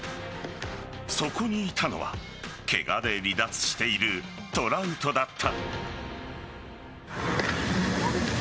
そこにいたのはケガで離脱しているトラウトだった。